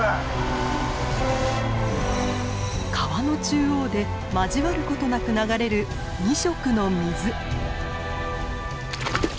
川の中央で交わることなく流れる２色の水。